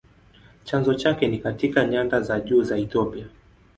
Chanzo chake ni katika nyanda za juu za Ethiopia.